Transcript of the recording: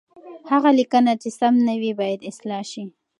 هغه لیکنه چې سم نه وي، باید اصلاح شي.